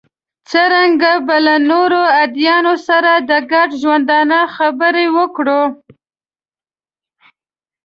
څرنګه به له نورو ادیانو سره د ګډ ژوندانه خبرې وکړو.